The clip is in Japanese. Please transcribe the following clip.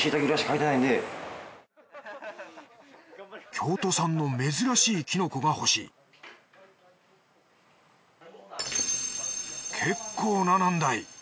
京都産の珍しいキノコが欲しい結構な難題。